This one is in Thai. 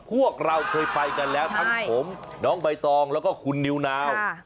พวกเราเคยไปกันแล้วทั้งผมน้องใบตองแล้วก็คุณนิวนาว